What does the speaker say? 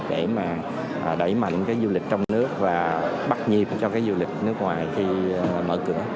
để mà đẩy mạnh cái du lịch trong nước và bắt nhịp cho cái du lịch nước ngoài khi mở cửa